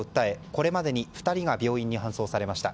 これまでに２人が病院に搬送されました。